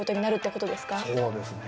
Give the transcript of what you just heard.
そうですね。